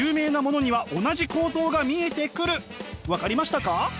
つまり分かりましたか？